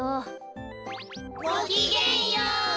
ごきげんよう。